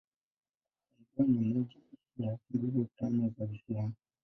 Kufunga ni moja ya Nguzo Tano za Uislamu.